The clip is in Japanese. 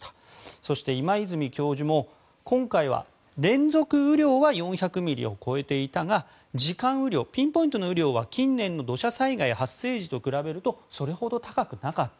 そして、今泉教授も今回は連続雨量は４００ミリを超えていたが時間雨量ピンポイントの雨量は近年の土砂災害発生時と比べるとそれほど高くなかった。